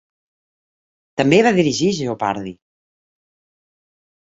També va dirigir Jeopardy!